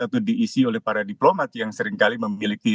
atau diisi oleh para diplomat yang seringkali memiliki